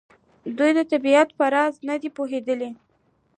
دوی د طبیعت په راز نه دي پوهېدلي.